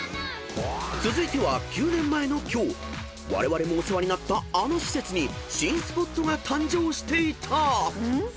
［続いては９年前の今日われわれもお世話になったあの施設に新スポットが誕生していた］